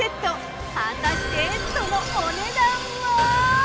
果たしてそのお値段は！？